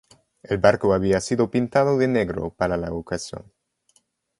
El barco había sido pintado de negro para la ocasión.